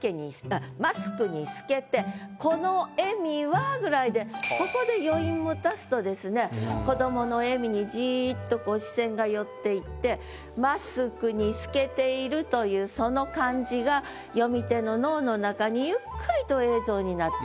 あっ「マスクに透けて子の笑みは」ぐらいでここで子どもの笑みにじぃっとこう視線が寄っていってマスクに透けているというその感じが読み手の脳の中にゆっくりと映像になっていくと。